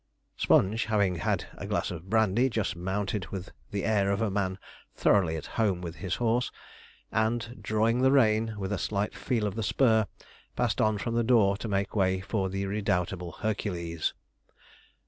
Sponge, having had a glass of brandy, just mounted with the air of a man thoroughly at home with his horse, and drawing the rein, with a slight feel of the spur, passed on from the door to make way for the redoubtable Hercules.